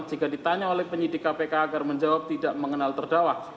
jika ditanya oleh penyidik kpk agar menjawab tidak mengenal terdakwa